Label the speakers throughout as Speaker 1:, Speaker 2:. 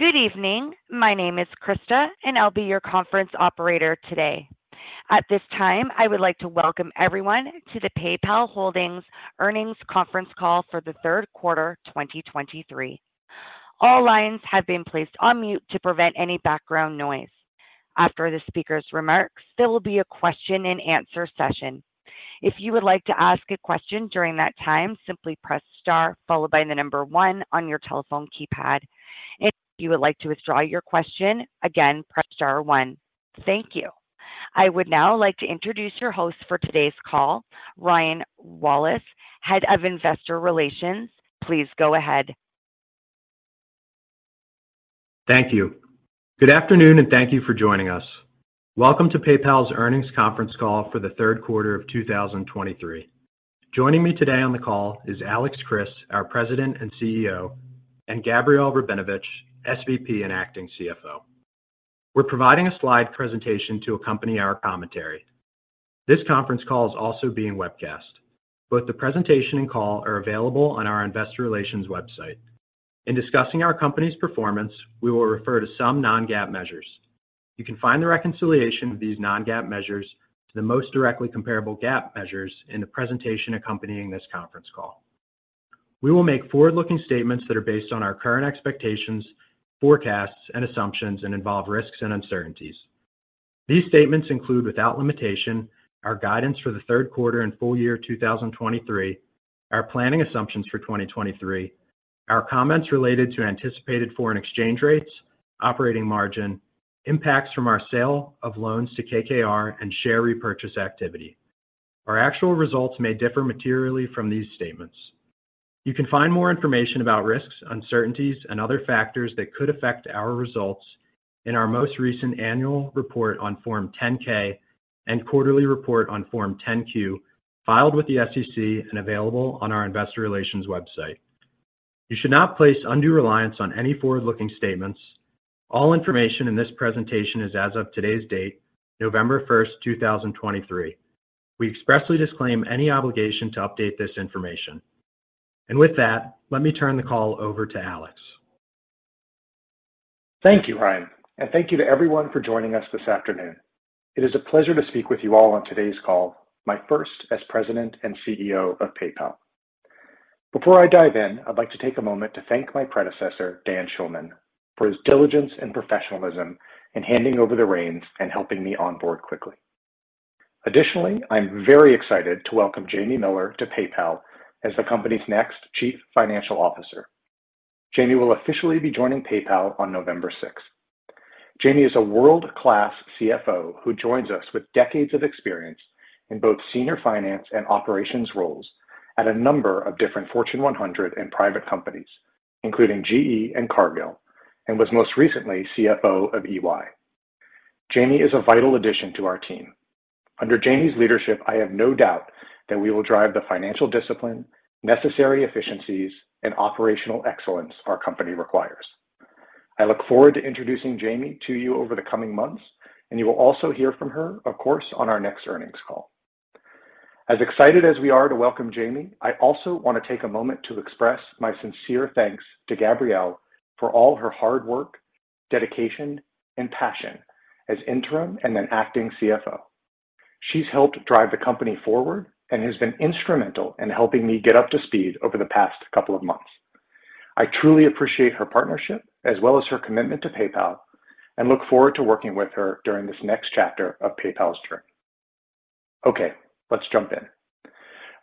Speaker 1: Good evening. My name is Krista, and I'll be your conference operator today. At this time, I would like to welcome everyone to the PayPal Holdings Earnings Conference Call for the third quarter, 2023. All lines have been placed on mute to prevent any background noise. After the speaker's remarks, there will be a question-and-answer session. If you would like to ask a question during that time, simply press Star followed by the number one on your telephone keypad. If you would like to withdraw your question, again, press star one. Thank you. I would now like to introduce your host for today's call, Ryan Wallace, Head of Investor Relations. Please go ahead.
Speaker 2: Thank you. Good afternoon, and thank you for joining us. Welcome to PayPal's Earnings Conference Call for the third quarter of 2023. Joining me today on the call is Alex Chriss, our President and CEO, and Gabrielle Rabinovitch, SVP and Acting CFO. We're providing a slide presentation to accompany our commentary. This conference call is also being webcast. Both the presentation and call are available on our investor relations website. In discussing our company's performance, we will refer to some non-GAAP measures. You can find the reconciliation of these non-GAAP measures to the most directly comparable GAAP measures in the presentation accompanying this conference call. We will make forward-looking statements that are based on our current expectations, forecasts, and assumptions, and involve risks and uncertainties. These statements include, without limitation, our guidance for the third quarter and full year 2023, our planning assumptions for 2023, our comments related to anticipated foreign exchange rates, operating margin, impacts from our sale of loans to KKR, and share repurchase activity. Our actual results may differ materially from these statements. You can find more information about risks, uncertainties, and other factors that could affect our results in our most recent annual report on Form 10-K and quarterly report on Form 10-Q, filed with the SEC and available on our investor relations website. You should not place undue reliance on any forward-looking statements. All information in this presentation is as of today's date, November 1, 2023. We expressly disclaim any obligation to update this information. With that, let me turn the call over to Alex.
Speaker 3: Thank you, Ryan, and thank you to everyone for joining us this afternoon. It is a pleasure to speak with you all on today's call, my first as President and CEO of PayPal. Before I dive in, I'd like to take a moment to thank my predecessor, Dan Schulman, for his diligence and professionalism in handing over the reins and helping me onboard quickly. Additionally, I'm very excited to welcome Jamie Miller to PayPal as the company's next Chief Financial Officer. Jamie will officially be joining PayPal on November sixth. Jamie is a world-class CFO who joins us with decades of experience in both senior finance and operations roles at a number of different Fortune 100 and private companies, including GE and Cargill, and was most recently CFO of EY. Jamie is a vital addition to our team. Under Jamie's leadership, I have no doubt that we will drive the financial discipline, necessary efficiencies, and operational excellence our company requires. I look forward to introducing Jamie to you over the coming months, and you will also hear from her, of course, on our next earnings call. As excited as we are to welcome Jamie, I also want to take a moment to express my sincere thanks to Gabrielle for all her hard work, dedication, and passion as interim and then acting CFO. She's helped drive the company forward and has been instrumental in helping me get up to speed over the past couple of months. I truly appreciate her partnership, as well as her commitment to PayPal, and look forward to working with her during this next chapter of PayPal's journey. Okay, let's jump in.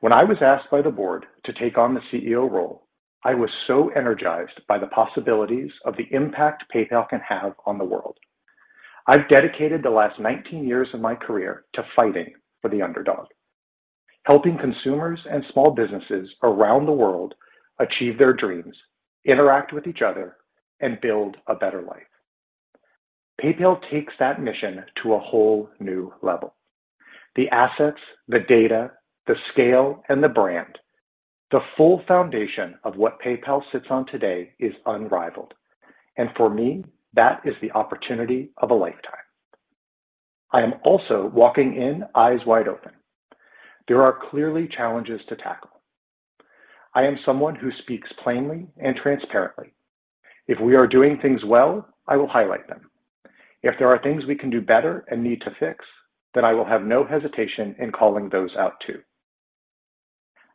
Speaker 3: When I was asked by the board to take on the CEO role, I was so energized by the possibilities of the impact PayPal can have on the world. I've dedicated the last 19 years of my career to fighting for the underdog, helping consumers and small businesses around the world achieve their dreams, interact with each other, and build a better life. PayPal takes that mission to a whole new level. The assets, the data, the scale, and the brand, the full foundation of what PayPal sits on today is unrivaled, and for me, that is the opportunity of a lifetime. I am also walking in eyes wide open. There are clearly challenges to tackle. I am someone who speaks plainly and transparently. If we are doing things well, I will highlight them. If there are things we can do better and need to fix, then I will have no hesitation in calling those out, too.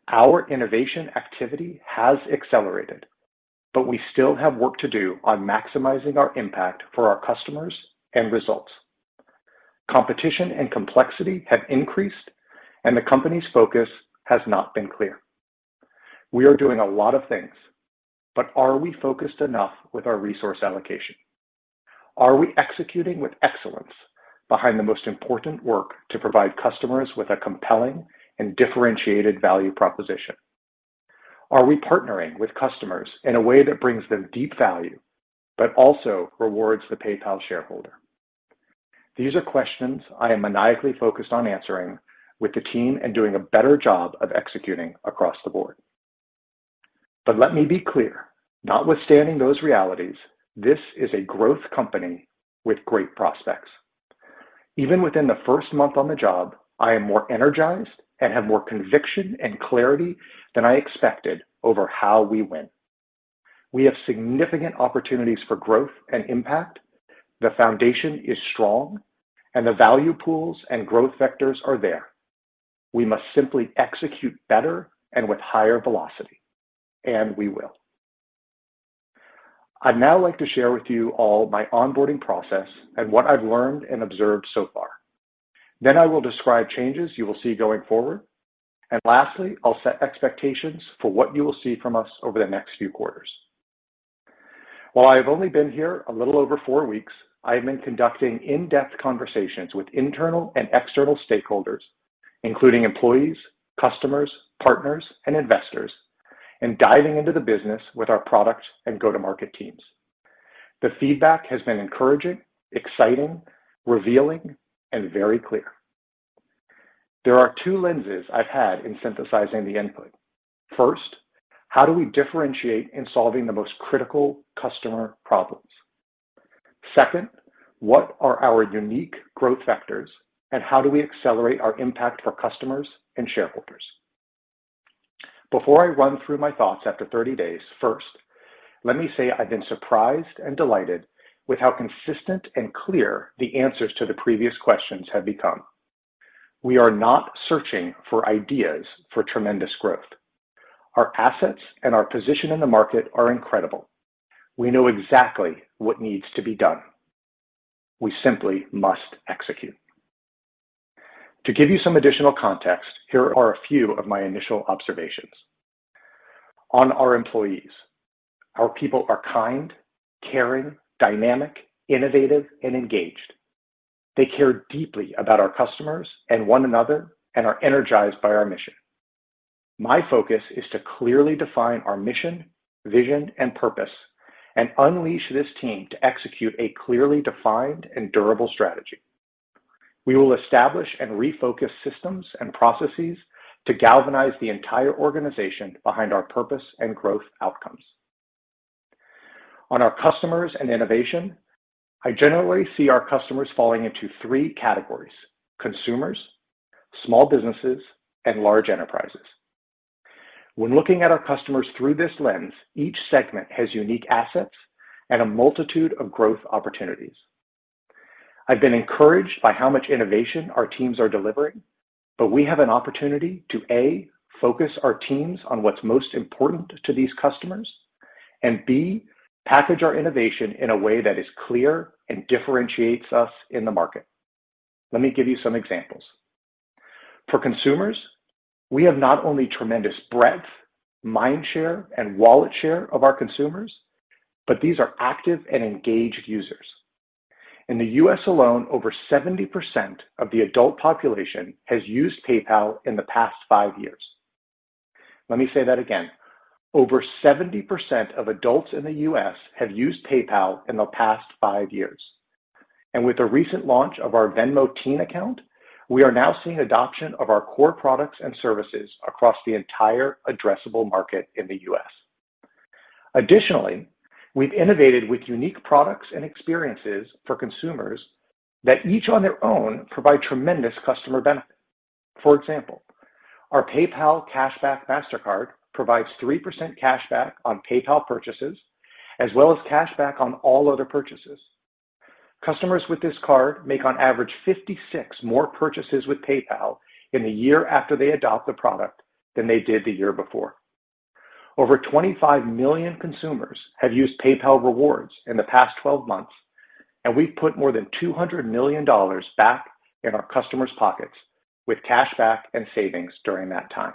Speaker 3: Our innovation activity has accelerated, but we still have work to do on maximizing our impact for our customers and results. Competition and complexity have increased, and the company's focus has not been clear. We are doing a lot of things, but are we focused enough with our resource allocation? Are we executing with excellence behind the most important work to provide customers with a compelling and differentiated value proposition? Are we partnering with customers in a way that brings them deep value, but also rewards the PayPal shareholder? These are questions I am maniacally focused on answering with the team and doing a better job of executing across the board. But let me be clear, notwithstanding those realities, this is a growth company with great prospects.... Even within the first month on the job, I am more energized and have more conviction and clarity than I expected over how we win. We have significant opportunities for growth and impact. The foundation is strong, and the value pools and growth vectors are there. We must simply execute better and with higher velocity, and we will. I'd now like to share with you all my onboarding process and what I've learned and observed so far. Then I will describe changes you will see going forward, and lastly, I'll set expectations for what you will see from us over the next few quarters. While I have only been here a little over four weeks, I have been conducting in-depth conversations with internal and external stakeholders, including employees, customers, partners, and investors, and diving into the business with our products and go-to-market teams. The feedback has been encouraging, exciting, revealing, and very clear. There are two lenses I've had in synthesizing the input. First, how do we differentiate in solving the most critical customer problems? Second, what are our unique growth vectors, and how do we accelerate our impact for customers and shareholders? Before I run through my thoughts after 30 days, first, let me say I've been surprised and delighted with how consistent and clear the answers to the previous questions have become. We are not searching for ideas for tremendous growth. Our assets and our position in the market are incredible. We know exactly what needs to be done. We simply must execute. To give you some additional context, here are a few of my initial observations. On our employees, our people are kind, caring, dynamic, innovative, and engaged. They care deeply about our customers and one another and are energized by our mission. My focus is to clearly define our mission, vision, and purpose and unleash this team to execute a clearly defined and durable strategy. We will establish and refocus systems and processes to galvanize the entire organization behind our purpose and growth outcomes. On our customers and innovation, I generally see our customers falling into three categories: consumers, small businesses, and large enterprises. When looking at our customers through this lens, each segment has unique assets and a multitude of growth opportunities. I've been encouraged by how much innovation our teams are delivering, but we have an opportunity to, A, focus our teams on what's most important to these customers, and B, package our innovation in a way that is clear and differentiates us in the market. Let me give you some examples. For consumers, we have not only tremendous breadth, mind share, and wallet share of our consumers, but these are active and engaged users. In the U.S. alone, over 70% of the adult population has used PayPal in the past five years. Let me say that again. Over 70% of adults in the U.S. have used PayPal in the past five years, and with the recent launch of our Venmo Teen Account, we are now seeing adoption of our core products and services across the entire addressable market in the U.S. Additionally, we've innovated with unique products and experiences for consumers that each on their own provide tremendous customer benefit. For example, our PayPal Cashback Mastercard provides 3% cashback on PayPal purchases, as well as cashback on all other purchases. Customers with this card make on average 56 more purchases with PayPal in the year after they adopt the product than they did the year before. Over 25 million consumers have used PayPal Rewards in the past 12 months, and we've put more than $200 million back in our customers' pockets with cashback and savings during that time.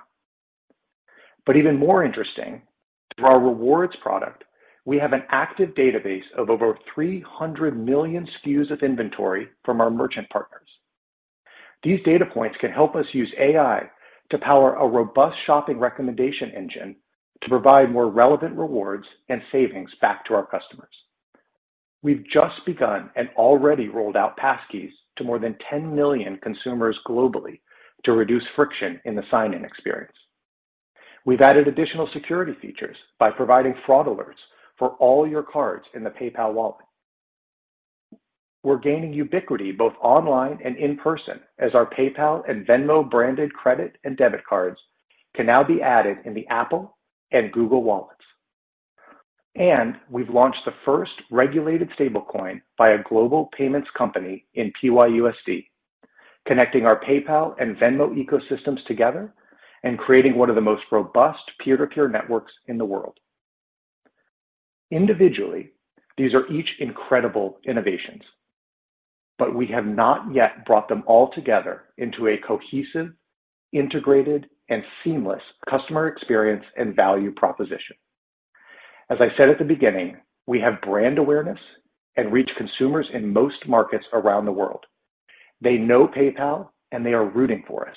Speaker 3: Even more interesting, through our rewards product, we have an active database of over 300 million SKUs of inventory from our merchant partners. These data points can help us use AI to power a robust shopping recommendation engine to provide more relevant rewards and savings back to our customers. We've just begun and already rolled out passkeys to more than 10 million consumers globally to reduce friction in the sign-in experience. We've added additional security features by providing fraud alerts for all your cards in the PayPal Wallet. We're gaining ubiquity both online and in person, as our PayPal and Venmo-branded credit and debit cards can now be added in the Apple Wallet and Google Wallet. We've launched the first regulated stablecoin by a global payments company in PYUSD, connecting our PayPal and Venmo ecosystems together and creating one of the most robust peer-to-peer networks in the world. Individually, these are each incredible innovations, but we have not yet brought them all together into a cohesive, integrated, and seamless customer experience and value proposition. As I said at the beginning, we have brand awareness and reach consumers in most markets around the world. They know PayPal, and they are rooting for us.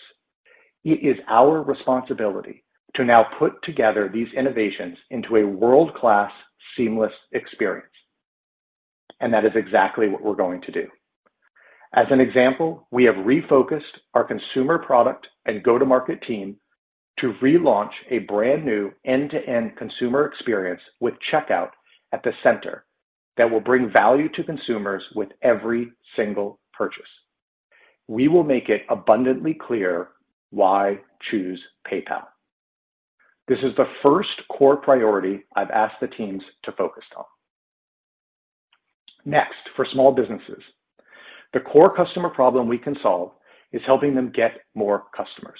Speaker 3: It is our responsibility to now put together these innovations into a world-class, seamless experience, and that is exactly what we're going to do. As an example, we have refocused our consumer product and go-to-market team-... to relaunch a brand-new end-to-end consumer experience with checkout at the center that will bring value to consumers with every single purchase. We will make it abundantly clear why choose PayPal. This is the first core priority I've asked the teams to focus on. Next, for small businesses, the core customer problem we can solve is helping them get more customers.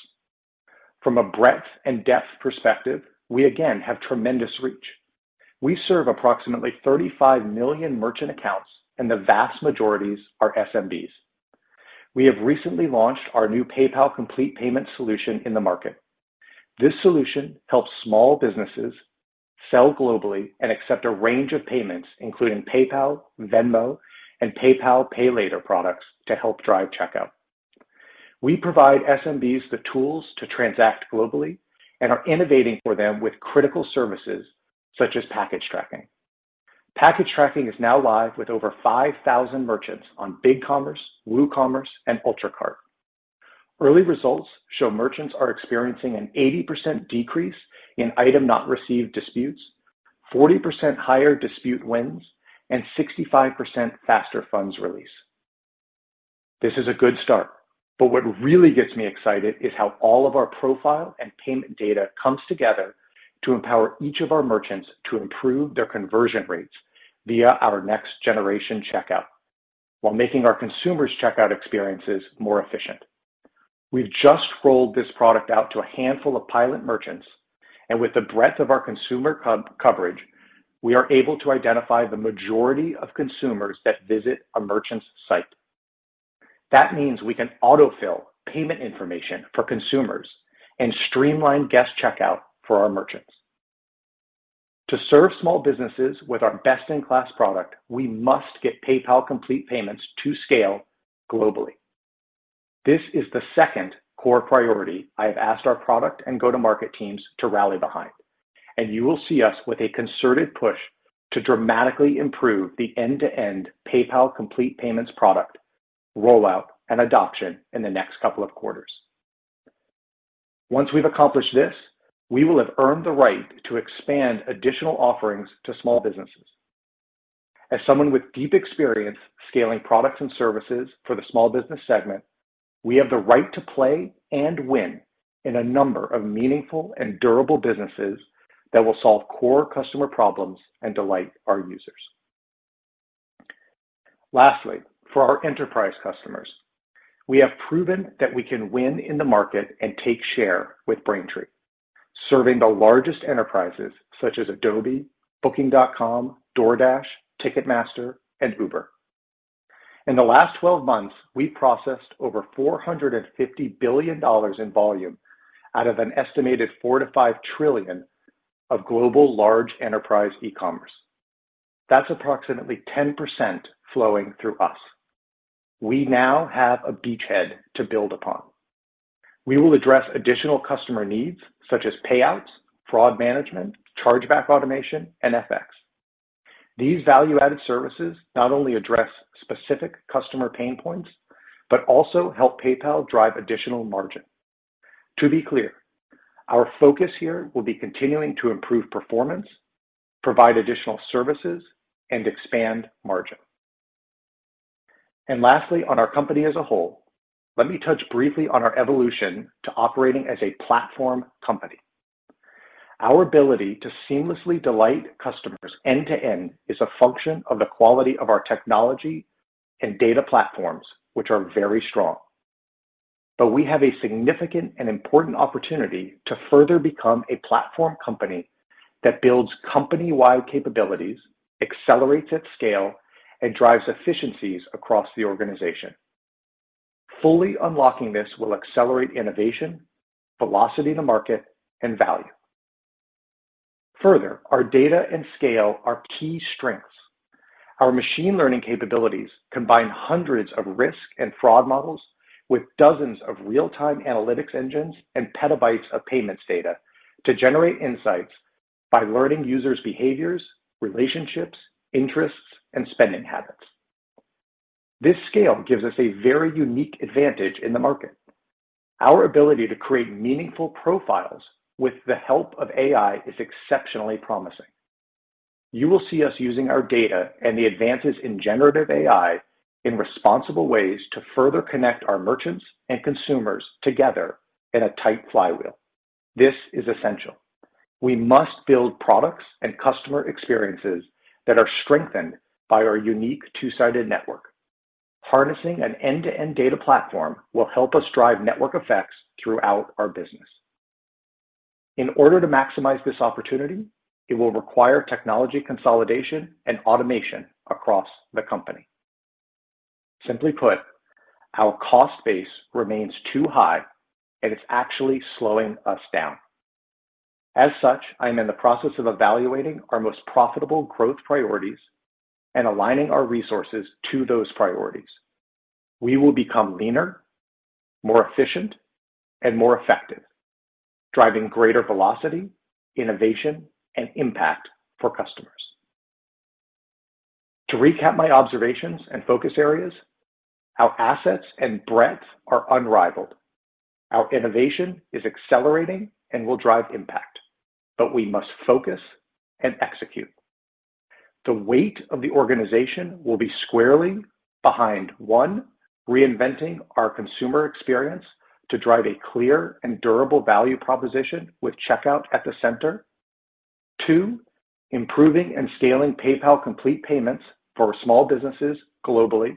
Speaker 3: From a breadth and depth perspective, we again have tremendous reach. We serve approximately 35 million merchant accounts, and the vast majorities are SMBs. We have recently launched our new PayPal Complete Payments solution in the market. This solution helps small businesses sell globally and accept a range of payments, including PayPal, Venmo, and PayPal Pay Later products to help drive checkout. We provide SMBs the tools to transact globally and are innovating for them with critical services such as package tracking. Package tracking is now live with over 5,000 merchants on BigCommerce, WooCommerce, and UltraCart. Early results show merchants are experiencing an 80% decrease in item not received disputes, 40% higher dispute wins, and 65% faster funds release. This is a good start, but what really gets me excited is how all of our profile and payment data comes together to empower each of our merchants to improve their conversion rates via our next generation checkout, while making our consumers' checkout experiences more efficient. We've just rolled this product out to a handful of pilot merchants, and with the breadth of our consumer coverage, we are able to identify the majority of consumers that visit a merchant's site. That means we can autofill payment information for consumers and streamline guest checkout for our merchants. To serve small businesses with our best-in-class product, we must get PayPal Complete Payments to scale globally. This is the second core priority I have asked our product and go-to-market teams to rally behind, and you will see us with a concerted push to dramatically improve the end-to-end PayPal Complete Payments product, rollout, and adoption in the next couple of quarters. Once we've accomplished this, we will have earned the right to expand additional offerings to small businesses. As someone with deep experience scaling products and services for the small business segment, we have the right to play and win in a number of meaningful and durable businesses that will solve core customer problems and delight our users. Lastly, for our enterprise customers, we have proven that we can win in the market and take share with Braintree, serving the largest enterprises such as Adobe, Booking.com, DoorDash, Ticketmaster, and Uber. In the last 12 months, we processed over $450 billion in volume out of an estimated $4 trillion-$5 trillion of global large enterprise e-commerce. That's approximately 10% flowing through us. We now have a beachhead to build upon. We will address additional customer needs such as payouts, fraud management, chargeback automation, and FX. These value-added services not only address specific customer pain points, but also help PayPal drive additional margin. To be clear, our focus here will be continuing to improve performance, provide additional services, and expand margin. And lastly, on our company as a whole, let me touch briefly on our evolution to operating as a platform company. Our ability to seamlessly delight customers end to end is a function of the quality of our technology and data platforms, which are very strong. But we have a significant and important opportunity to further become a platform company that builds company-wide capabilities, accelerates at scale, and drives efficiencies across the organization. Fully unlocking this will accelerate innovation, velocity to market, and value. Further, our data and scale are key strengths. Our machine learning capabilities combine hundreds of risk and fraud models with dozens of real-time analytics engines and petabytes of payments data to generate insights by learning users' behaviors, relationships, interests, and spending habits. This scale gives us a very unique advantage in the market. Our ability to create meaningful profiles with the help of AI is exceptionally promising. You will see us using our data and the advances in generative AI in responsible ways to further connect our merchants and consumers together in a tight flywheel. This is essential. We must build products and customer experiences that are strengthened by our unique two-sided network. Harnessing an end-to-end data platform will help us drive network effects throughout our business. In order to maximize this opportunity, it will require technology consolidation and automation across the company. Simply put, our cost base remains too high, and it's actually slowing us down. As such, I am in the process of evaluating our most profitable growth priorities and aligning our resources to those priorities. We will become leaner, more efficient, and more effective, driving greater velocity, innovation, and impact for customers.... To recap my observations and focus areas, our assets and breadth are unrivaled. Our innovation is accelerating and will drive impact, but we must focus and execute. The weight of the organization will be squarely behind, one, reinventing our consumer experience to drive a clear and durable value proposition with checkout at the center. Two, improving and scaling PayPal Complete Payments for small businesses globally.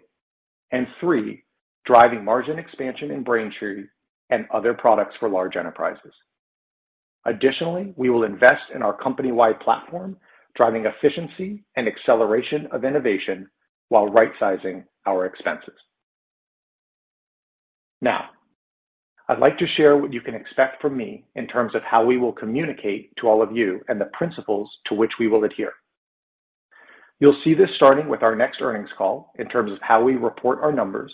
Speaker 3: And three, driving margin expansion in Braintree and other products for large enterprises. Additionally, we will invest in our company-wide platform, driving efficiency and acceleration of innovation while right-sizing our expenses. Now, I'd like to share what you can expect from me in terms of how we will communicate to all of you and the principles to which we will adhere. You'll see this starting with our next earnings call in terms of how we report our numbers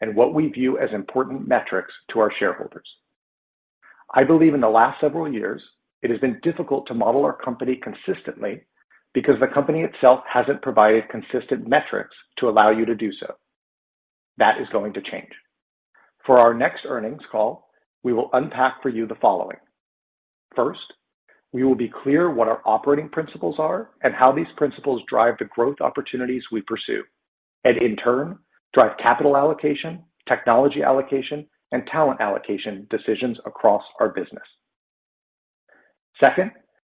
Speaker 3: and what we view as important metrics to our shareholders. I believe in the last several years, it has been difficult to model our company consistently because the company itself hasn't provided consistent metrics to allow you to do so. That is going to change. For our next earnings call, we will unpack for you the following. First, we will be clear what our operating principles are and how these principles drive the growth opportunities we pursue, and in turn, drive capital allocation, technology allocation, and talent allocation decisions across our business. Second,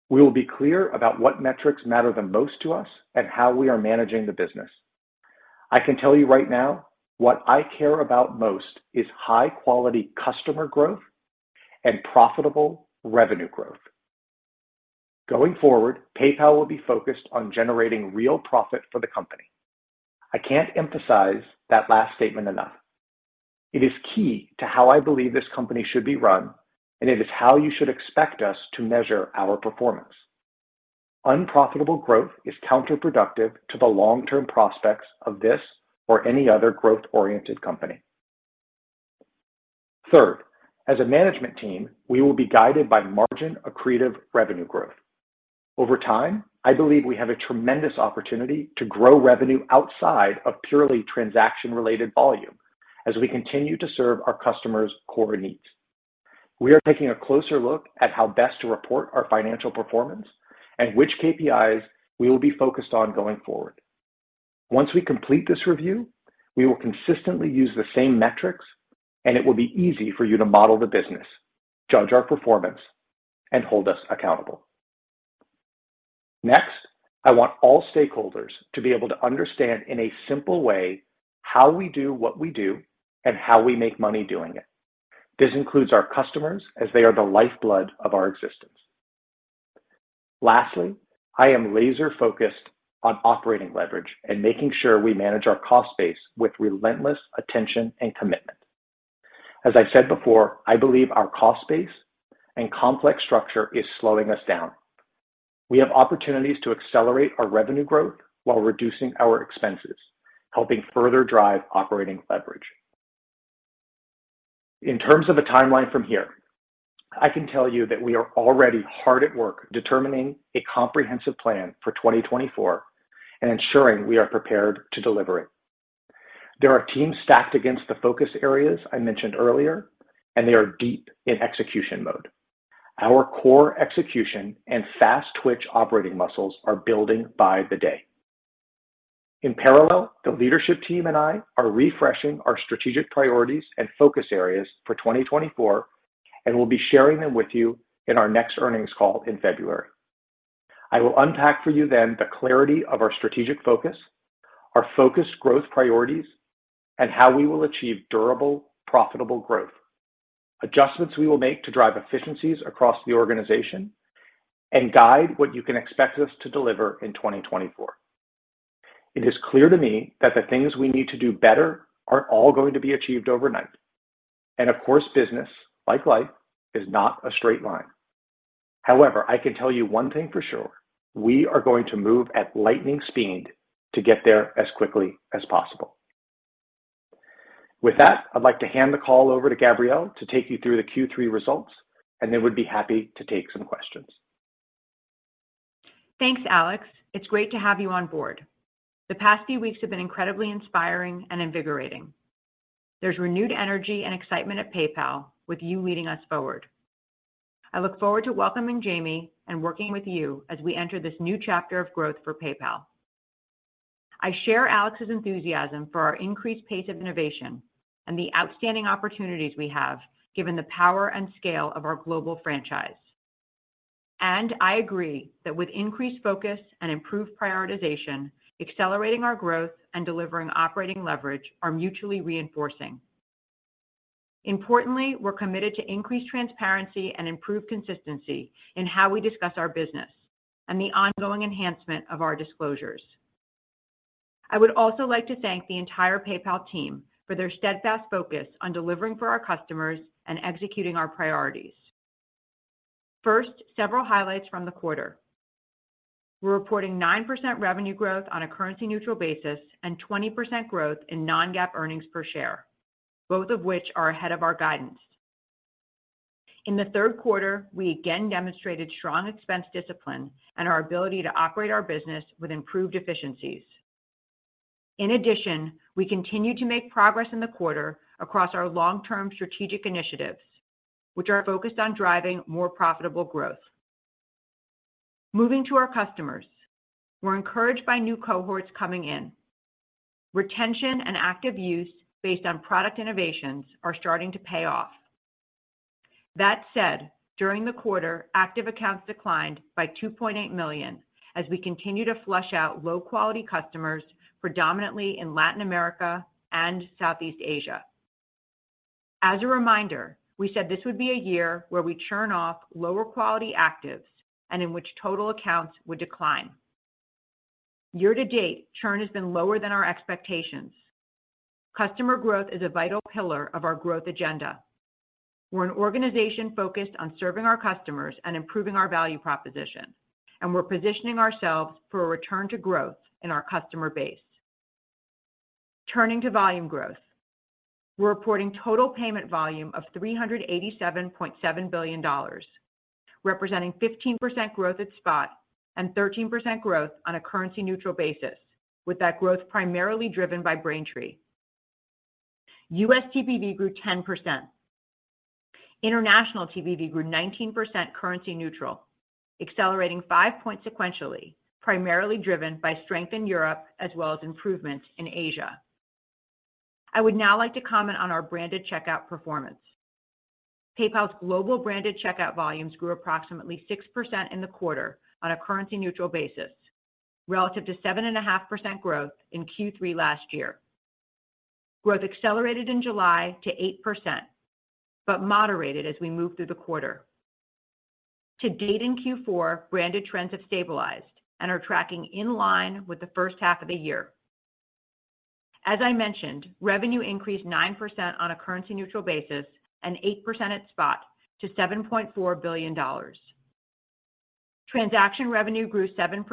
Speaker 3: we will be clear about what metrics matter the most to us and how we are managing the business. I can tell you right now, what I care about most is high-quality customer growth and profitable revenue growth. Going forward, PayPal will be focused on generating real profit for the company. I can't emphasize that last statement enough. It is key to how I believe this company should be run, and it is how you should expect us to measure our performance. Unprofitable growth is counterproductive to the long-term prospects of this or any other growth-oriented company. Third, as a management team, we will be guided by margin accretive revenue growth. Over time, I believe we have a tremendous opportunity to grow revenue outside of purely transaction-related volume as we continue to serve our customers' core needs. We are taking a closer look at how best to report our financial performance and which KPIs we will be focused on going forward. Once we complete this review, we will consistently use the same metrics, and it will be easy for you to model the business, judge our performance, and hold us accountable. Next, I want all stakeholders to be able to understand in a simple way how we do what we do and how we make money doing it. This includes our customers, as they are the lifeblood of our existence. Lastly, I am laser-focused on operating leverage and making sure we manage our cost base with relentless attention and commitment. As I said before, I believe our cost base and complex structure is slowing us down. We have opportunities to accelerate our revenue growth while reducing our expenses, helping further drive operating leverage. In terms of a timeline from here, I can tell you that we are already hard at work determining a comprehensive plan for 2024 and ensuring we are prepared to deliver it. There are teams stacked against the focus areas I mentioned earlier, and they are deep in execution mode. Our core execution and fast-twitch operating muscles are building by the day. In parallel, the leadership team and I are refreshing our strategic priorities and focus areas for 2024, and we'll be sharing them with you in our next earnings call in February. I will unpack for you then the clarity of our strategic focus, our focused growth priorities, and how we will achieve durable, profitable growth, adjustments we will make to drive efficiencies across the organization, and guide what you can expect us to deliver in 2024. It is clear to me that the things we need to do better aren't all going to be achieved overnight. And of course, business, like life, is not a straight line. However, I can tell you one thing for sure, we are going to move at lightning speed to get there as quickly as possible. With that, I'd like to hand the call over to Gabrielle to take you through the Q3 results, and then we'd be happy to take some questions.
Speaker 4: Thanks, Alex. It's great to have you on board. The past few weeks have been incredibly inspiring and invigorating. There's renewed energy and excitement at PayPal with you leading us forward. I look forward to welcoming Jamie and working with you as we enter this new chapter of growth for PayPal. I share Alex's enthusiasm for our increased pace of innovation and the outstanding opportunities we have, given the power and scale of our global franchise. And I agree that with increased focus and improved prioritization, accelerating our growth and delivering operating leverage are mutually reinforcing. Importantly, we're committed to increased transparency and improved consistency in how we discuss our business and the ongoing enhancement of our disclosures. I would also like to thank the entire PayPal team for their steadfast focus on delivering for our customers and executing our priorities. First, several highlights from the quarter. We're reporting 9% revenue growth on a currency-neutral basis and 20% growth in non-GAAP earnings per share, both of which are ahead of our guidance. In the third quarter, we again demonstrated strong expense discipline and our ability to operate our business with improved efficiencies. In addition, we continued to make progress in the quarter across our long-term strategic initiatives, which are focused on driving more profitable growth. Moving to our customers, we're encouraged by new cohorts coming in. Retention and active use based on product innovations are starting to pay off. That said, during the quarter, active accounts declined by 2.8 million as we continue to flush out low-quality customers, predominantly in Latin America and Southeast Asia. As a reminder, we said this would be a year where we churn off lower quality actives and in which total accounts would decline. Year to date, churn has been lower than our expectations. Customer growth is a vital pillar of our growth agenda. We're an organization focused on serving our customers and improving our value proposition, and we're positioning ourselves for a return to growth in our customer base. Turning to volume growth, we're reporting total payment volume of $387.7 billion, representing 15% growth at Spot and 13% growth on a currency-neutral basis, with that growth primarily driven by Braintree. US TPV grew 10%. International TPV grew 19% currency neutral, accelerating 5 points sequentially, primarily driven by strength in Europe as well as improvements in Asia. I would now like to comment on our branded checkout performance. PayPal's global branded checkout volumes grew approximately 6% in the quarter on a currency-neutral basis, relative to 7.5% growth in Q3 last year. Growth accelerated in July to 8%, but moderated as we moved through the quarter. To date in Q4, branded trends have stabilized and are tracking in line with the first half of the year. As I mentioned, revenue increased 9% on a currency-neutral basis and 8% at Spot to $7.4 billion. Transaction revenue grew 7%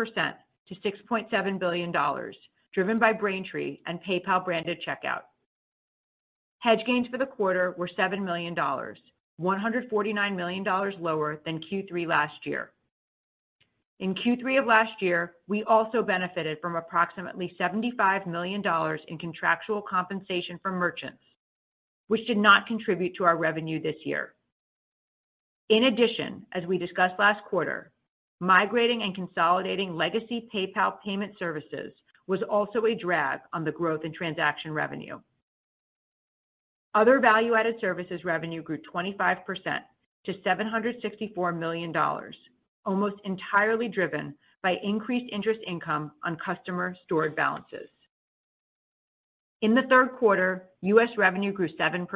Speaker 4: to $6.7 billion, driven by Braintree and PayPal-branded checkout. Hedge gains for the quarter were $7 million, $149 million lower than Q3 last year. In Q3 of last year, we also benefited from approximately $75 million in contractual compensation from merchants, which did not contribute to our revenue this year. In addition, as we discussed last quarter, migrating and consolidating legacy PayPal payment services was also a drag on the growth in transaction revenue. Other value-added services revenue grew 25% to $764 million, almost entirely driven by increased interest income on customer stored balances. In the third quarter, U.S. revenue grew 7%.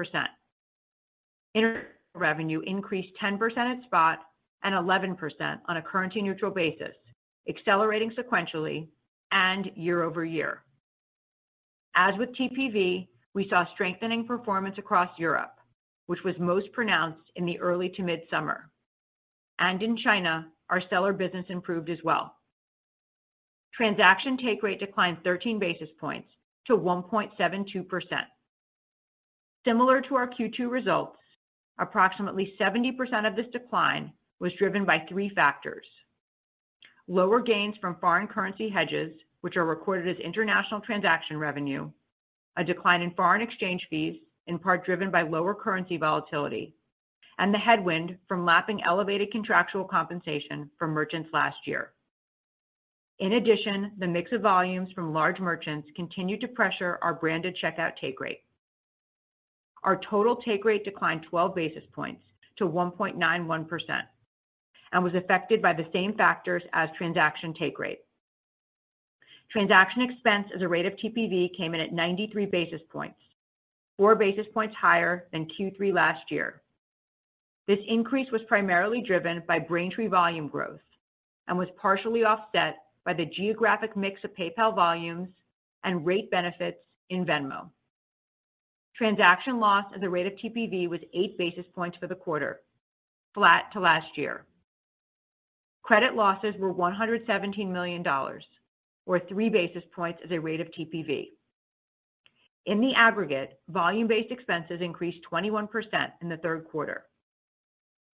Speaker 4: International revenue increased 10% at Spot and 11% on a currency-neutral basis, accelerating sequentially and year-over-year. As with TPV, we saw strengthening performance across Europe, which was most pronounced in the early to mid-summer. In China, our seller business improved as well. Transaction take rate declined 13 basis points to 1.72%. Similar to our Q2 results, approximately 70% of this decline was driven by three factors: Lower gains from foreign currency hedges, which are recorded as international transaction revenue, a decline in foreign exchange fees, in part driven by lower currency volatility, and the headwind from lapping elevated contractual compensation from merchants last year. In addition, the mix of volumes from large merchants continued to pressure our branded checkout take rate. Our total take rate declined 12 basis points to 1.91% and was affected by the same factors as transaction take rate. Transaction expense as a rate of TPV came in at 93 basis points, 4 basis points higher than Q3 last year. This increase was primarily driven by Braintree volume growth and was partially offset by the geographic mix of PayPal volumes and rate benefits in Venmo. Transaction loss as a rate of TPV was 8 basis points for the quarter, flat to last year. Credit losses were $117 million, or 3 basis points as a rate of TPV. In the aggregate, volume-based expenses increased 21% in the third quarter.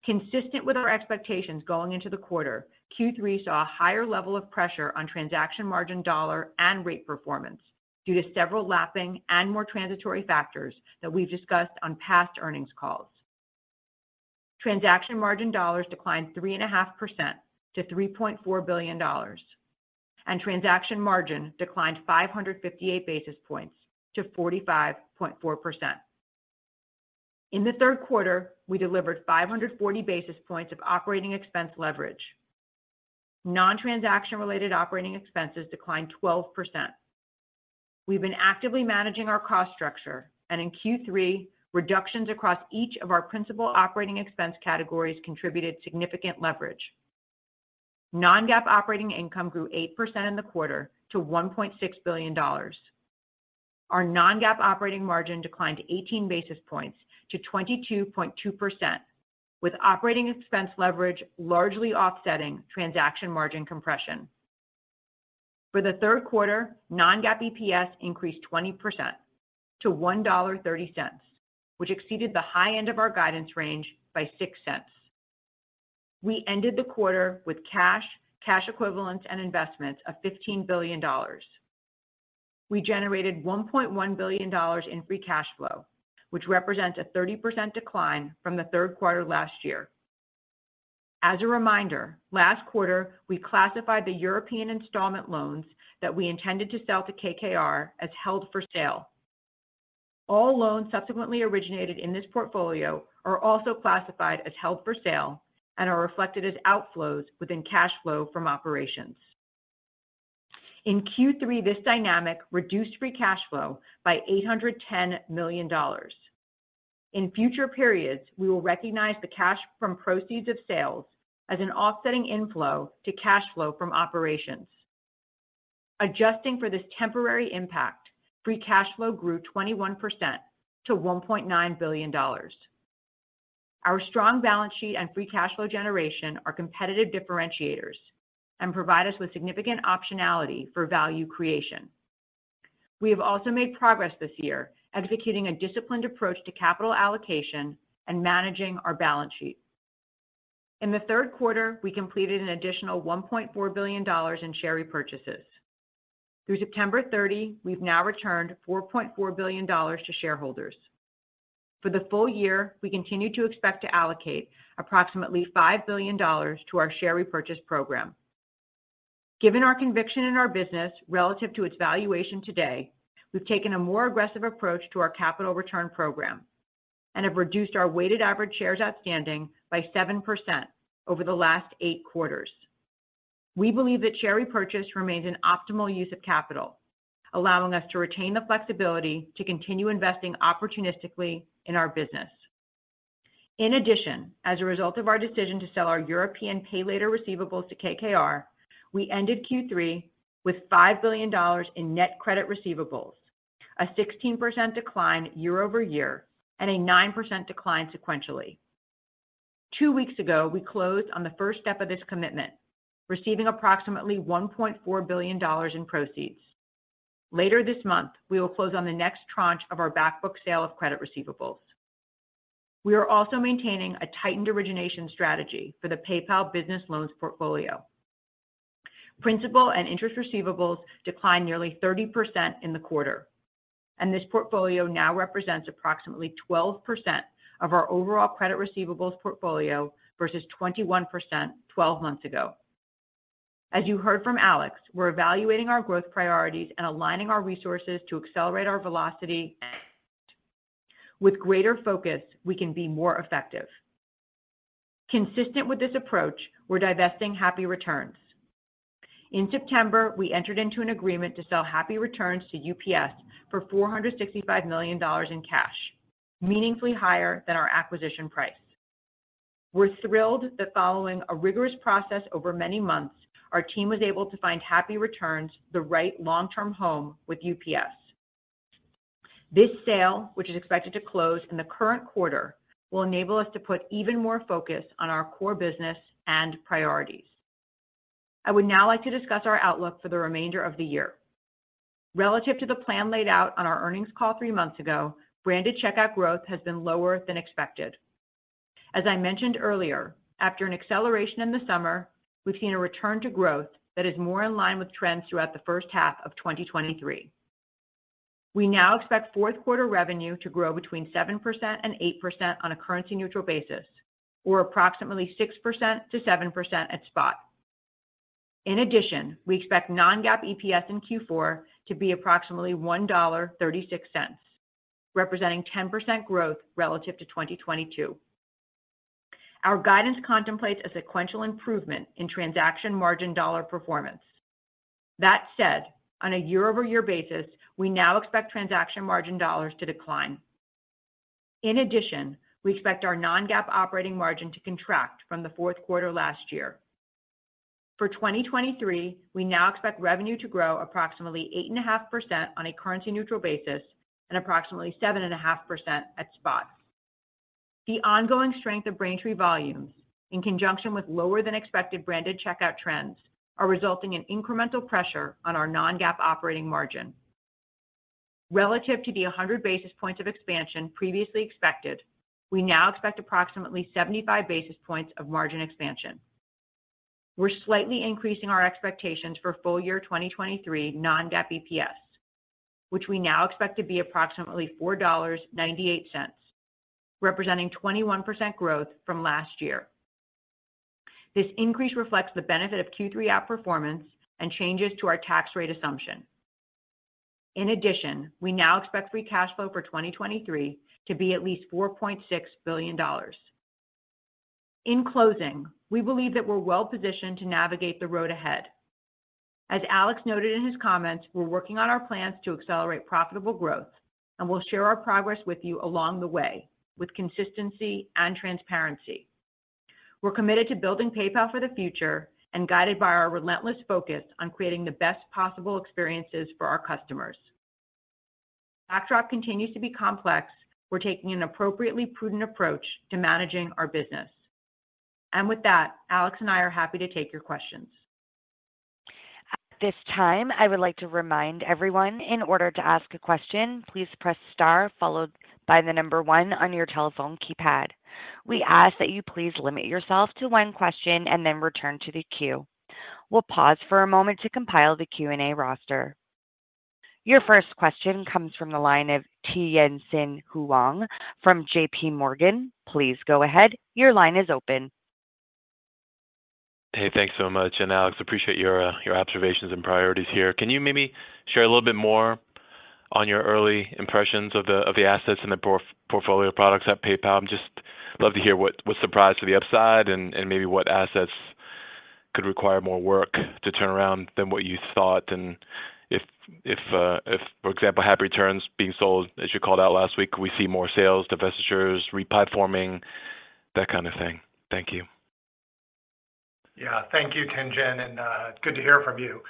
Speaker 4: Consistent with our expectations going into the quarter, Q3 saw a higher level of pressure on transaction margin dollar and rate performance due to several lapping and more transitory factors that we've discussed on past earnings calls. Transaction margin dollars declined 3.5% to $3.4 billion, and transaction margin declined 558 basis points to 45.4%. In the third quarter, we delivered 540 basis points of operating expense leverage. Non-transaction related operating expenses declined 12%. We've been actively managing our cost structure, and in Q3, reductions across each of our principal operating expense categories contributed significant leverage. Non-GAAP operating income grew 8% in the quarter to $1.6 billion. Our non-GAAP operating margin declined 18 basis points to 22.2%, with operating expense leverage largely offsetting transaction margin compression. For the third quarter, non-GAAP EPS increased 20% to $1.30, which exceeded the high end of our guidance range by $0.06. We ended the quarter with cash, cash equivalents, and investments of $15 billion. We generated $1.1 billion in free cash flow, which represents a 30% decline from the third quarter last year. As a reminder, last quarter, we classified the European installment loans that we intended to sell to KKR as held for sale. All loans subsequently originated in this portfolio are also classified as held for sale and are reflected as outflows within cash flow from operations. In Q3, this dynamic reduced free cash flow by $810 million. In future periods, we will recognize the cash from proceeds of sales as an offsetting inflow to cash flow from operations. Adjusting for this temporary impact, free cash flow grew 21% to $1.9 billion. Our strong balance sheet and free cash flow generation are competitive differentiators and provide us with significant optionality for value creation. We have also made progress this year, executing a disciplined approach to capital allocation and managing our balance sheet. In the third quarter, we completed an additional $1.4 billion in share repurchases. Through September 30, we've now returned $4.4 billion to shareholders. For the full year, we continue to expect to allocate approximately $5 billion to our share repurchase program. Given our conviction in our business relative to its valuation today, we've taken a more aggressive approach to our capital return program and have reduced our weighted average shares outstanding by 7% over the last 8 quarters. We believe that share repurchase remains an optimal use of capital, allowing us to retain the flexibility to continue investing opportunistically in our business. In addition, as a result of our decision to sell our European Pay Later receivables to KKR, we ended Q3 with $5 billion in net credit receivables, a 16% decline year-over-year, and a 9% decline sequentially. Two weeks ago, we closed on the first step of this commitment, receiving approximately $1.4 billion in proceeds. Later this month, we will close on the next tranche of our back book sale of credit receivables. We are also maintaining a tightened origination strategy for the PayPal Business Loans portfolio. Principal and interest receivables declined nearly 30% in the quarter, and this portfolio now represents approximately 12% of our overall credit receivables portfolio versus 21% 12 months ago. As you heard from Alex, we're evaluating our growth priorities and aligning our resources to accelerate our velocity. With greater focus, we can be more effective. Consistent with this approach, we're divesting Happy Returns. In September, we entered into an agreement to sell Happy Returns to UPS for $465 million in cash, meaningfully higher than our acquisition price. We're thrilled that following a rigorous process over many months, our team was able to find Happy Returns, the right long-term home with UPS. This sale, which is expected to close in the current quarter, will enable us to put even more focus on our core business and priorities. I would now like to discuss our outlook for the remainder of the year. Relative to the plan laid out on our earnings call three months ago, branded checkout growth has been lower than expected. As I mentioned earlier, after an acceleration in the summer, we've seen a return to growth that is more in line with trends throughout the first half of 2023. We now expect fourth quarter revenue to grow between 7% and 8% on a currency-neutral basis, or approximately 6%-7% at spot. In addition, we expect non-GAAP EPS in Q4 to be approximately $1.36, representing 10% growth relative to 2022. Our guidance contemplates a sequential improvement in transaction margin dollar performance. That said, on a year-over-year basis, we now expect transaction margin dollars to decline. In addition, we expect our non-GAAP operating margin to contract from the fourth quarter last year. For 2023, we now expect revenue to grow approximately 8.5% on a currency-neutral basis and approximately 7.5% at spot. The ongoing strength of Braintree volumes, in conjunction with lower than expected branded checkout trends, are resulting in incremental pressure on our non-GAAP operating margin. Relative to the 100 basis points of expansion previously expected, we now expect approximately 75 basis points of margin expansion. We're slightly increasing our expectations for full year 2023 non-GAAP EPS, which we now expect to be approximately $4.98, representing 21% growth from last year. This increase reflects the benefit of Q3 outperformance and changes to our tax rate assumption. In addition, we now expect free cash flow for 2023 to be at least $4.6 billion. In closing, we believe that we're well positioned to navigate the road ahead. As Alex noted in his comments, we're working on our plans to accelerate profitable growth, and we'll share our progress with you along the way with consistency and transparency. We're committed to building PayPal for the future and guided by our relentless focus on creating the best possible experiences for our customers....
Speaker 5: backdrop continues to be complex, we're taking an appropriately prudent approach to managing our business. With that, Alex and I are happy to take your questions.
Speaker 1: At this time, I would like to remind everyone, in order to ask a question, please press star followed by the number one on your telephone keypad. We ask that you please limit yourself to one question and then return to the queue. We'll pause for a moment to compile the Q&A roster. Your first question comes from the line of Tien-Tsin Huang from JP Morgan. Please go ahead. Your line is open.
Speaker 6: Hey, thanks so much. Alex, appreciate your observations and priorities here. Can you maybe share a little bit more on your early impressions of the assets and the portfolio of products at PayPal? Just love to hear what was surprised to the upside and maybe what assets could require more work to turn around than what you thought, and if, for example, Happy Returns being sold, as you called out last week, we see more sales, divestitures, re-platforming, that kind of thing. Thank you.
Speaker 3: Yeah, thank you, Tien-Tsin, and good to hear from you.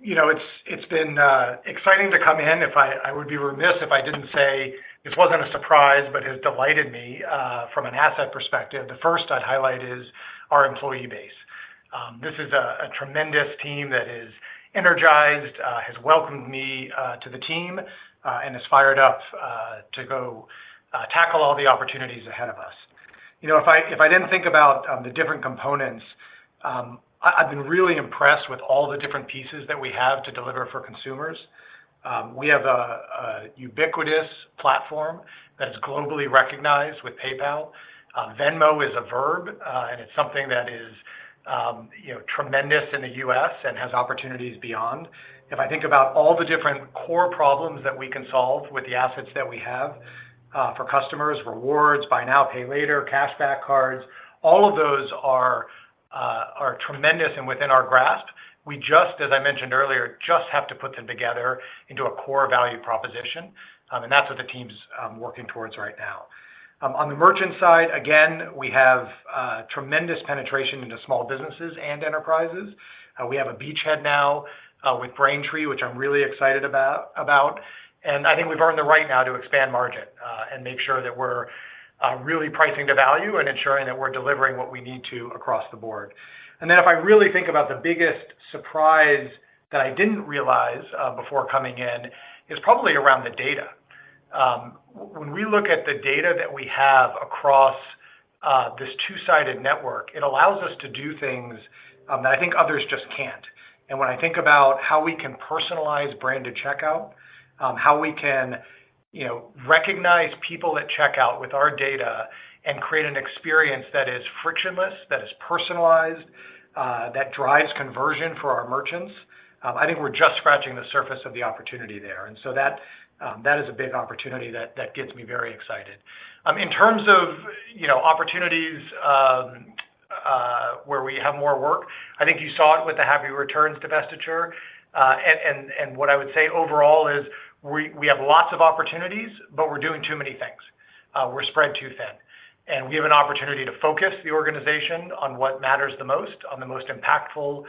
Speaker 3: You know, it's been exciting to come in. If I would be remiss if I didn't say this wasn't a surprise, but has delighted me from an asset perspective. The first I'd highlight is our employee base. This is a tremendous team that is energized, has welcomed me to the team, and is fired up to go tackle all the opportunities ahead of us. You know, if I didn't think about the different components, I've been really impressed with all the different pieces that we have to deliver for consumers. We have a ubiquitous platform that is globally recognized with PayPal. Venmo is a verb, and it's something that is, you know, tremendous in the U.S. and has opportunities beyond. If I think about all the different core problems that we can solve with the assets that we have, for customers, rewards, buy now, Pay Later, cashback cards, all of those are tremendous and within our grasp. We just, as I mentioned earlier, just have to put them together into a core value proposition, and that's what the team's working towards right now. On the merchant side, again, we have tremendous penetration into small businesses and enterprises. We have a beachhead now with Braintree, which I'm really excited about, and I think we've earned the right now to expand margin and make sure that we're really pricing to value and ensuring that we're delivering what we need to across the board. And then if I really think about the biggest surprise that I didn't realize before coming in, is probably around the data. When we look at the data that we have across this two-sided network, it allows us to do things that I think others just can't. When I think about how we can personalize branded checkout, how we can, you know, recognize people at checkout with our data and create an experience that is frictionless, that is personalized, that drives conversion for our merchants, I think we're just scratching the surface of the opportunity there. That is a big opportunity that gets me very excited. In terms of, you know, opportunities where we have more work, I think you saw it with the Happy Returns divestiture. What I would say overall is we have lots of opportunities, but we're doing too many things. We're spread too thin. We have an opportunity to focus the organization on what matters the most, on the most impactful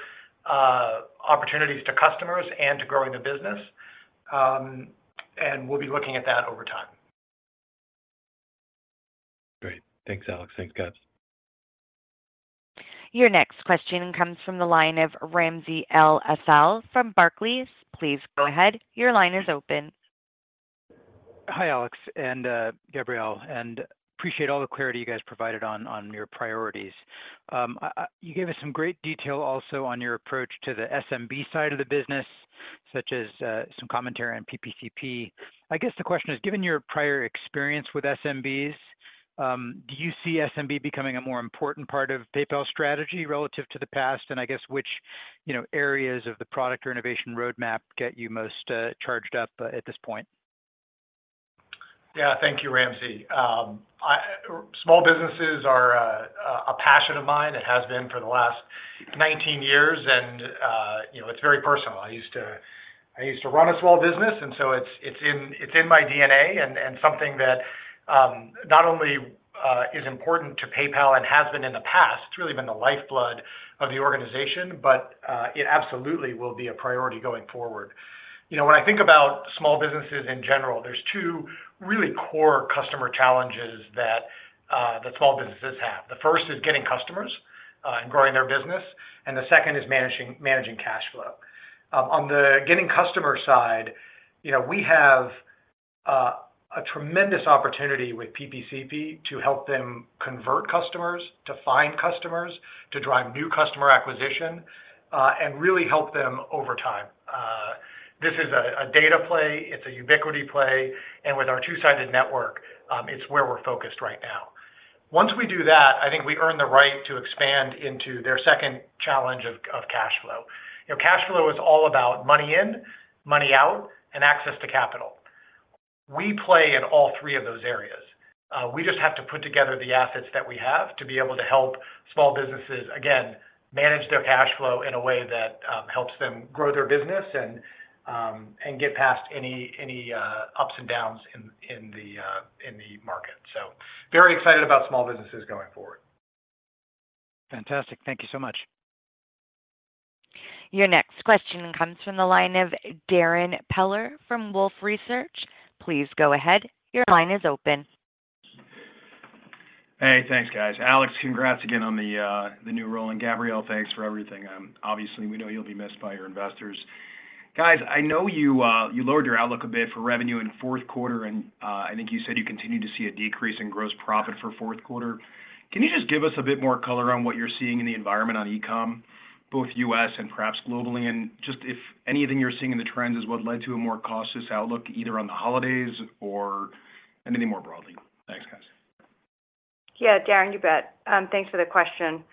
Speaker 3: opportunities to customers and to growing the business. We'll be looking at that over time.
Speaker 6: Great. Thanks, Alex. Thanks, guys.
Speaker 1: Your next question comes from the line of Ramsey El-Assal from Barclays. Please go ahead. Your line is open.
Speaker 5: Hi, Alex and, Gabrielle, and appreciate all the clarity you guys provided on your priorities. You gave us some great detail also on your approach to the SMB side of the business, such as, some commentary on PPCP. I guess the question is, given your prior experience with SMBs, do you see SMB becoming a more important part of PayPal's strategy relative to the past? And I guess which, you know, areas of the product or innovation roadmap get you most, charged up, at this point?
Speaker 3: Yeah, thank you, Ramzi. Small businesses are a passion of mine. It has been for the last 19 years, and, you know, it's very personal. I used to run a small business, and so it's in my DNA and something that not only is important to PayPal and has been in the past, it's really been the lifeblood of the organization, but it absolutely will be a priority going forward. You know, when I think about small businesses in general, there's two really core customer challenges that small businesses have. The first is getting customers and growing their business, and the second is managing cash flow. On the getting customer side, you know, we have a tremendous opportunity with PPCP to help them convert customers, to find customers, to drive new customer acquisition, and really help them over time. This is a data play, it's a ubiquity play, and with our two-sided network, it's where we're focused right now. Once we do that, I think we earn the right to expand into their second challenge of cash flow. You know, cash flow is all about money in, money out, and access to capital. We play in all three of those areas. We just have to put together the assets that we have to be able to help small businesses, again, manage their cash flow in a way that helps them grow their business and get past any ups and downs in the market. So very excited about small businesses going forward.
Speaker 5: Fantastic. Thank you so much....
Speaker 1: Your next question comes from the line of Darrin Peller from Wolfe Research. Please go ahead. Your line is open.
Speaker 7: Hey, thanks, guys. Alex, congrats again on the new role, and Gabrielle, thanks for everything. Obviously, we know you'll be missed by your investors. Guys, I know you lowered your outlook a bit for revenue in fourth quarter, and I think you said you continued to see a decrease in gross profit for fourth quarter. Can you just give us a bit more color on what you're seeing in the environment on e-com, both US and perhaps globally? And just if anything you're seeing in the trends is what led to a more cautious outlook, either on the holidays or anything more broadly? Thanks, guys.
Speaker 4: Yeah, Darrin, you bet. Thanks for the question.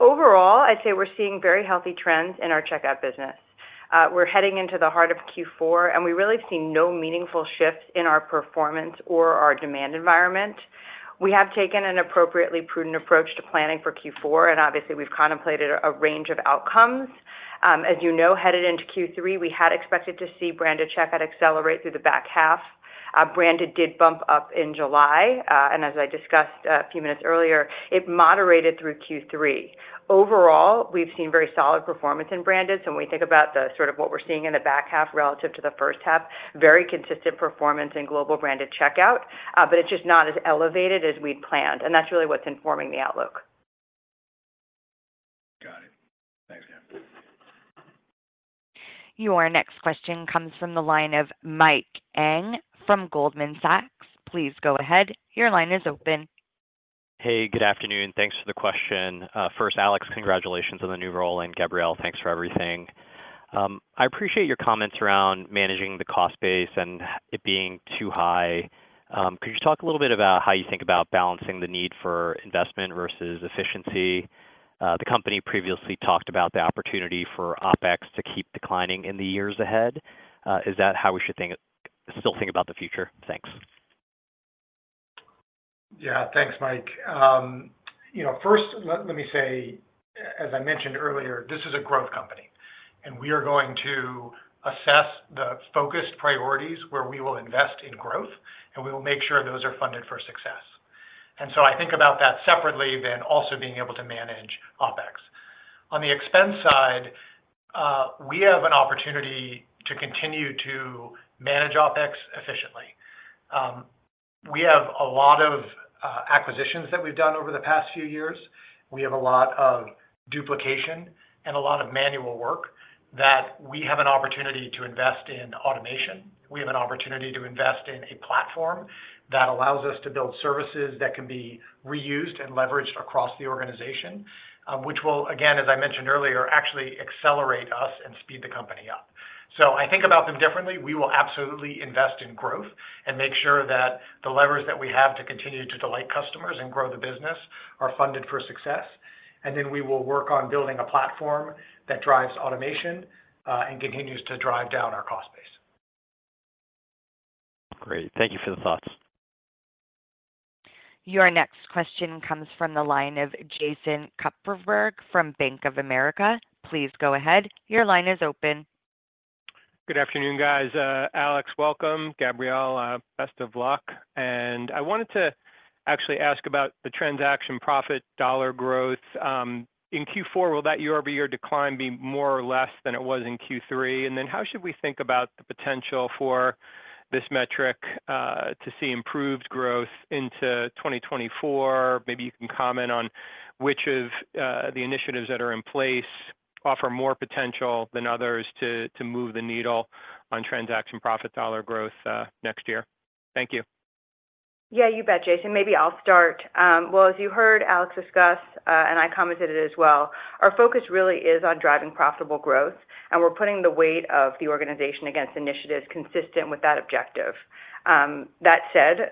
Speaker 4: Overall, I'd say we're seeing very healthy trends in our checkout business. We're heading into the heart of Q4, and we've really seen no meaningful shifts in our performance or our demand environment. We have taken an appropriately prudent approach to planning for Q4, and obviously, we've contemplated a range of outcomes. As you know, headed into Q3, we had expected to see branded checkout accelerate through the back half. Branded did bump up in July, and as I discussed a few minutes earlier, it moderated through Q3. Overall, we've seen very solid performance in branded, so when we think about the sort of what we're seeing in the back half relative to the first half, very consistent performance in global branded checkout, but it's just not as elevated as we'd planned, and that's really what's informing the outlook.
Speaker 7: Got it. Thanks, guys.
Speaker 1: Your next question comes from the line of Mike Ng from Goldman Sachs. Please go ahead. Your line is open.
Speaker 8: Hey, good afternoon. Thanks for the question. First, Alex, congratulations on the new role, and Gabrielle, thanks for everything. I appreciate your comments around managing the cost base and it being too high. Could you just talk a little bit about how you think about balancing the need for investment versus efficiency? The company previously talked about the opportunity for OpEx to keep declining in the years ahead. Is that how we should think, still think about the future? Thanks.
Speaker 3: Yeah, thanks, Mike. You know, first, let me say, as I mentioned earlier, this is a growth company, and we are going to assess the focused priorities where we will invest in growth, and we will make sure those are funded for success. And so I think about that separately than also being able to manage OpEx. On the expense side, we have an opportunity to continue to manage OpEx efficiently. We have a lot of acquisitions that we've done over the past few years. We have a lot of duplication and a lot of manual work that we have an opportunity to invest in automation. We have an opportunity to invest in a platform that allows us to build services that can be reused and leveraged across the organization, which will, again, as I mentioned earlier, actually accelerate us and speed the company up. So I think about them differently. We will absolutely invest in growth and make sure that the levers that we have to continue to delight customers and grow the business are funded for success. And then we will work on building a platform that drives automation, and continues to drive down our cost base.
Speaker 8: Great. Thank you for the thoughts.
Speaker 1: Your next question comes from the line of Jason Kupferberg from Bank of America. Please go ahead. Your line is open.
Speaker 9: Good afternoon, guys. Alex, welcome. Gabrielle, best of luck. I wanted to actually ask about the transaction profit dollar growth. In Q4, will that year-over-year decline be more or less than it was in Q3? And then how should we think about the potential for this metric to see improved growth into 2024? Maybe you can comment on which of the initiatives that are in place offer more potential than others to move the needle on transaction profit dollar growth next year. Thank you. Yeah, you bet, Jason. Maybe I'll start. Well, as you heard Alex discuss, and I commented as well, our focus really is on driving profitable growth, and we're putting the weight of the organization against initiatives consistent with that objective. That said,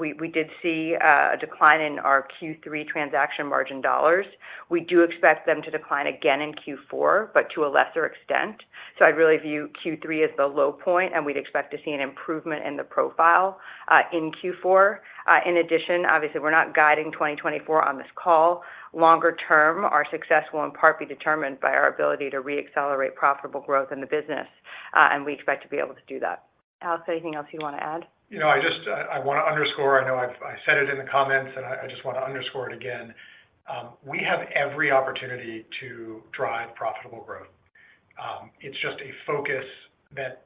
Speaker 9: we, we did see a decline in our Q3 transaction margin dollars. We do expect them to decline again in Q4, but to a lesser extent. So I really view Q3 as the low point, and we'd expect to see an improvement in the profile in Q4. In addition, obviously, we're not guiding 2024 on this call. Longer term, our success will in part be determined by our ability to reaccelerate profitable growth in the business, and we expect to be able to do that. Alex, anything else you want to add?
Speaker 3: You know, I just, I want to underscore, I know I've said it in the comments, and I, I just want to underscore it again. We have every opportunity to drive profitable growth. It's just a focus that,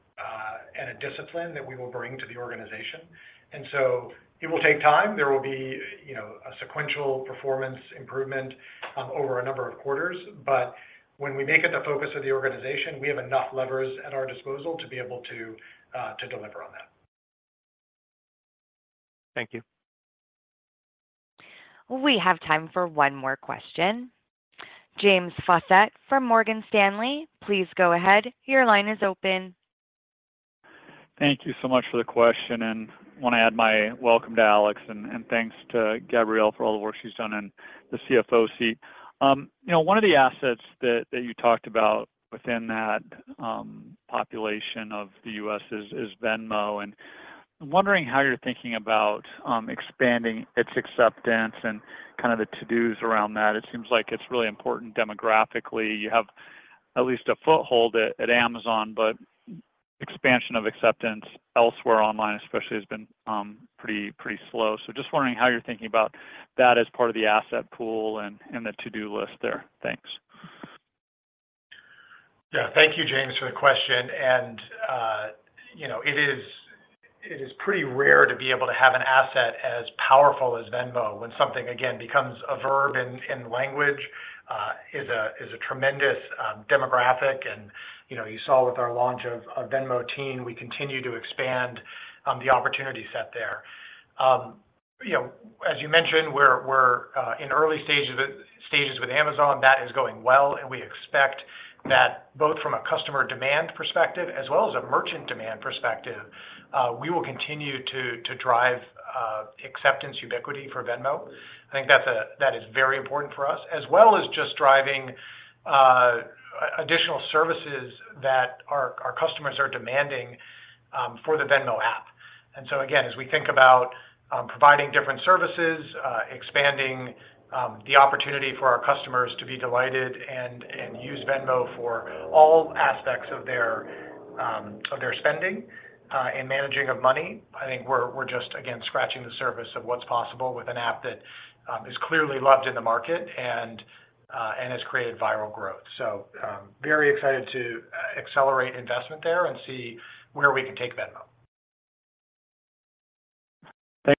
Speaker 3: and a discipline that we will bring to the organization. And so it will take time. There will be, you know, a sequential performance improvement over a number of quarters, but when we make it the focus of the organization, we have enough levers at our disposal to be able to, to deliver on that.
Speaker 9: Thank you.
Speaker 1: We have time for one more question. James Faucette from Morgan Stanley, please go ahead. Your line is open.
Speaker 10: Thank you so much for the question, and I want to add my welcome to Alex and thanks to Gabrielle for all the work she's done in the CFO seat. You know, one of the assets that you talked about within that population of the US is Venmo, and I'm wondering how you're thinking about expanding its acceptance and kind of the to-dos around that. It seems like it's really important demographically. You have at least a foothold at Amazon, but you-... expansion of acceptance elsewhere online especially has been pretty, pretty slow. So just wondering how you're thinking about that as part of the asset pool and the to-do list there. Thanks.
Speaker 3: Yeah, thank you, James, for the question. And, you know, it is pretty rare to be able to have an asset as powerful as Venmo. When something, again, becomes a verb in language is a tremendous demographic. And, you know, you saw with our launch of Venmo Teen, we continue to expand the opportunity set there. You know, as you mentioned, we're in early stages with Amazon. That is going well, and we expect that both from a customer demand perspective as well as a merchant demand perspective we will continue to drive acceptance ubiquity for Venmo. I think that is very important for us, as well as just driving additional services that our customers are demanding for the Venmo app. And so again, as we think about providing different services, expanding the opportunity for our customers to be delighted and use Venmo for all aspects of their spending and managing of money, I think we're just again scratching the surface of what's possible with an app that is clearly loved in the market and has created viral growth. So very excited to accelerate investment there and see where we can take Venmo.
Speaker 10: Thank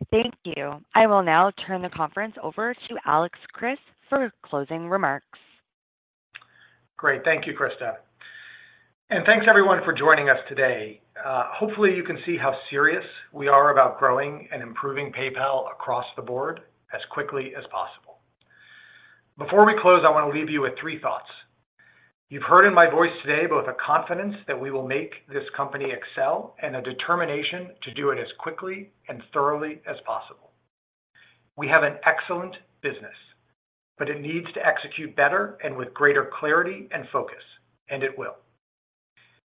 Speaker 10: you.
Speaker 1: Thank you. I will now turn the conference over to Alex Chriss for closing remarks.
Speaker 3: Great. Thank you, Krista. Thanks everyone for joining us today. Hopefully, you can see how serious we are about growing and improving PayPal across the board as quickly as possible. Before we close, I want to leave you with three thoughts. You've heard in my voice today both a confidence that we will make this company excel and a determination to do it as quickly and thoroughly as possible. We have an excellent business, but it needs to execute better and with greater clarity and focus, and it will.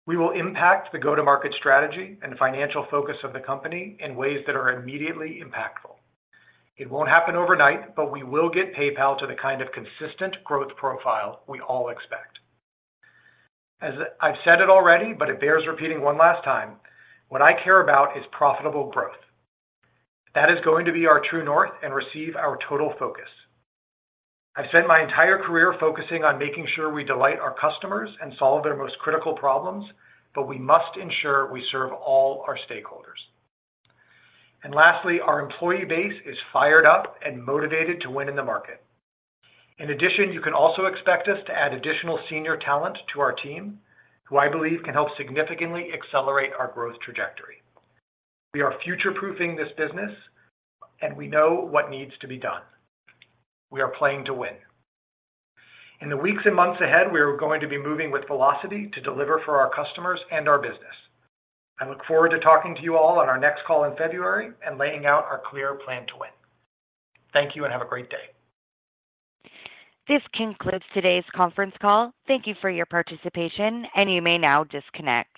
Speaker 3: We will impact the go-to-market strategy and financial focus of the company in ways that are immediately impactful. It won't happen overnight, but we will get PayPal to the kind of consistent growth profile we all expect. As I've said it already, but it bears repeating one last time, what I care about is profitable growth. That is going to be our True North and receive our total focus. I've spent my entire career focusing on making sure we delight our customers and solve their most critical problems, but we must ensure we serve all our stakeholders. Lastly, our employee base is fired up and motivated to win in the market. In addition, you can also expect us to add additional senior talent to our team, who I believe can help significantly accelerate our growth trajectory. We are future-proofing this business, and we know what needs to be done. We are playing to win. In the weeks and months ahead, we are going to be moving with velocity to deliver for our customers and our business. I look forward to talking to you all on our next call in February and laying out our clear plan to win. Thank you and have a great day.
Speaker 1: This concludes today's conference call. Thank you for your participation, and you may now disconnect.